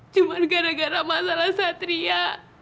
cuma gara gara masalah satria